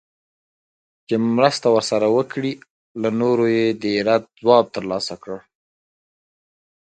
چي مرسته ورسره وکړي له نورو یې د رد ځواب ترلاسه کړ